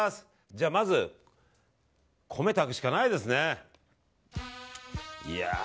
まず、米炊くしかないですね。